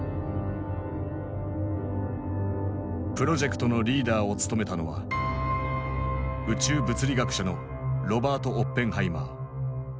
プロジェクトのリーダーを務めたのは宇宙物理学者のロバート・オッペンハイマー。